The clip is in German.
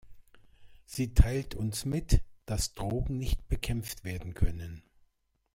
Sie teilt uns mit, dass Drogen nicht bekämpft werden können.